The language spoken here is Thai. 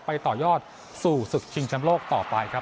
ต่อยอดสู่ศึกชิงแชมป์โลกต่อไปครับ